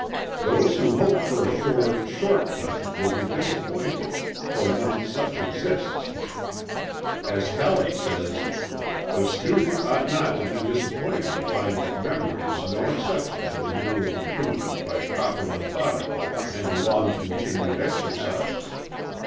Those who hope for a sure "short cut" will be disappointed, for none such exists. As Halleck says: "The student ought not to be disappointed to find that memory is no exception to the rule of improvement by proper methodical and long continued exercise.